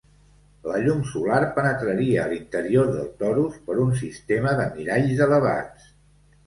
La llum solar penetraria a l'interior del torus per un sistema de miralls elevats.